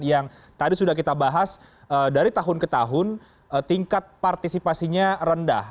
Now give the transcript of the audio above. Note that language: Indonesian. yang tadi sudah kita bahas dari tahun ke tahun tingkat partisipasinya rendah